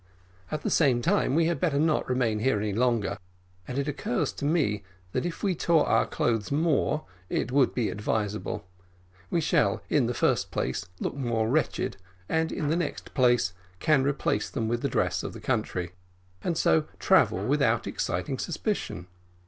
At the same time, we had better not remain here any longer; and it occurs to me, that if we tore our clothes more, it would be advisable we shall, in the first place, look more wretched; and, in the next place, can replace them with the dress of the country, and so travel without exciting suspicion.